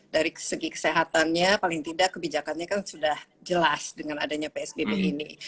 dari segi kesehatannya paling tidak kebijakannya kan sudah jelas dengan adanya psbb ini